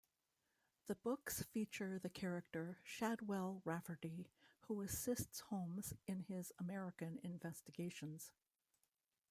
The books feature the character Shadwell Rafferty, who assists Holmes in his American investigations.